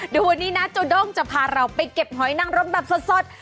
ดูวันนี้นะจูด้งจะพาเราไปเก็บหอยนังรมแบบสด